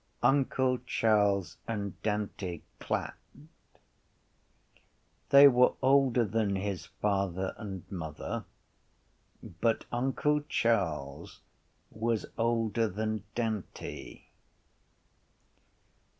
Uncle Charles and Dante clapped. They were older than his father and mother but uncle Charles was older than Dante.